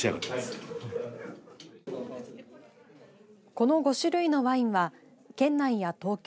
この５種類のワインは県内や東京